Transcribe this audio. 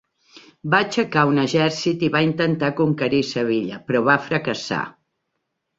Va aixecar un exèrcit i va intentar conquerir Sevilla, però va fracassar.